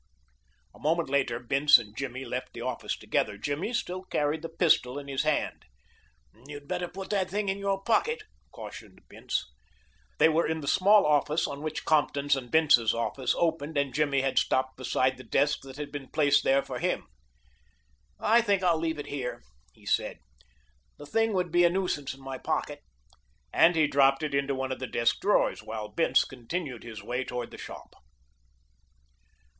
A moment later Bince and Jimmy left the office together. Jimmy still carried the pistol in his hand. "You'd better put that thing in your pocket," cautioned Bince. They were in the small office on which Compton's and Bince's offices opened, and Jimmy had stopped beside the desk that had been placed there for him. "I think I'll leave it here," he said. "The thing would be a nuisance in my pocket," and he dropped it into one of the desk drawers, while Bince continued his way toward the shop.